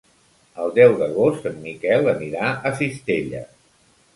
El deu d'agost en Miquel anirà a Cistella.